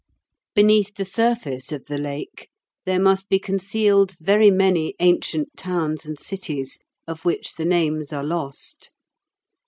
Beneath the surface of the Lake there must be concealed very many ancient towns and cities, of which the names are lost.